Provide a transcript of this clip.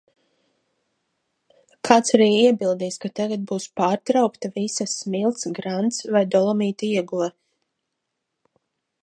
Kāds arī iebildīs, ka tagad būs pārtraukta visa smilts, grants vai dolomīta ieguve.